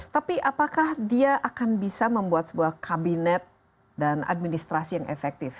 tapi apakah dia akan bisa membuat sebuah kabinet dan administrasi yang efektif